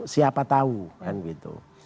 siapa tahu kan gitu